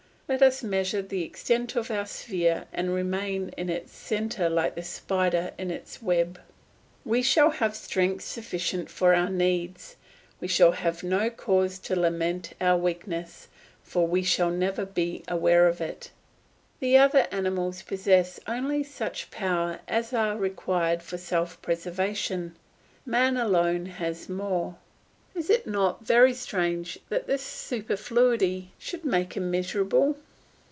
Let us measure the extent of our sphere and remain in its centre like the spider in its web; we shall have strength sufficient for our needs, we shall have no cause to lament our weakness, for we shall never be aware of it. The other animals possess only such powers as are required for self preservation; man alone has more. Is it not very strange that this superfluity should make him miserable?